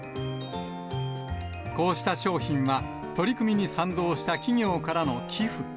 こうした商品は、取り組みに賛同した企業からの寄付。